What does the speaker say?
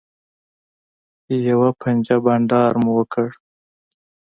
یوه پنجه بنډار مو وکړ.